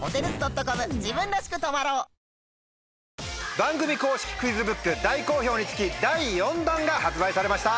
番組公式クイズブック大好評につき第４弾が発売されました。